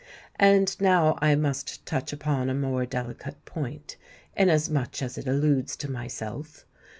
And now I must touch upon a more delicate point—inasmuch as it alludes to myself.